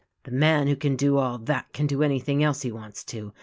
"The man who can do all that can do anything else he wants to.